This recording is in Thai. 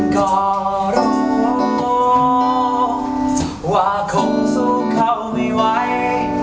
ก็รู้ว่าคงสู้เขาไม่ไหว